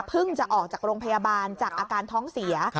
จะออกจากโรงพยาบาลจากอาการท้องเสีย